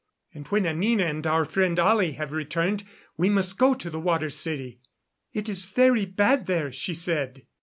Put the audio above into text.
And when Anina and our friend Ollie have returned we must go to the Water City. It is very bad there, she said."